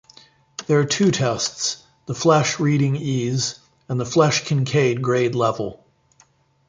There are two tests, the Flesch Reading Ease, and the Flesch-Kincaid Grade Level.